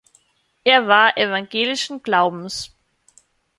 Er war evangelischen Glaubens.